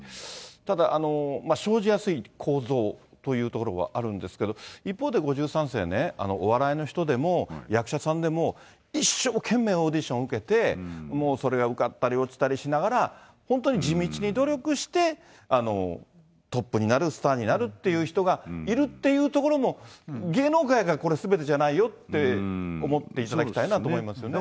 ただ、生じやすい構造というところはあるんですけど、一方で５３世ね、お笑いの人でも、役者さんでも、一生懸命オーディション受けて、もうそれが受かったり落ちたりしながら、本当に地道に努力して、トップになる、スターになるっていう人がいるっていうところも、芸能界がこれ、すべてじゃないよって思っていただきたいなと思いますよね。